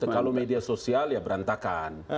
kalau media sosial ya berantakan